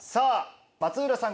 松浦さん